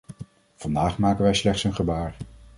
Vandaag maken wij slechts een gebaar.